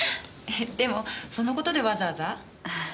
でもその事でわざわざ？